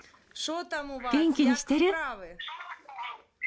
元気にしてる？